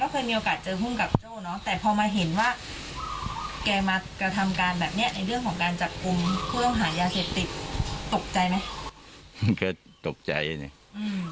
คุณต้องหายาเสพติกตกใจไหม